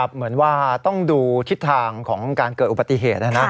เหมือนว่าต้องดูทิศทางของการเกิดอุบัติเหตุ